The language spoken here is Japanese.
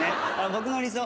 僕の理想